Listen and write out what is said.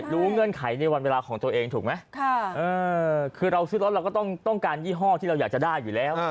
เงื่อนไขในวันเวลาของตัวเองถูกไหมคือเราซื้อรถเราก็ต้องการยี่ห้อที่เราอยากจะได้อยู่แล้ว